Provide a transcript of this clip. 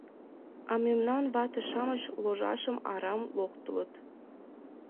А мемнан вате-шамыч ложашым арам локтылыт...